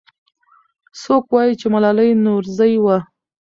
څوک وایي چې ملالۍ نورزۍ وه؟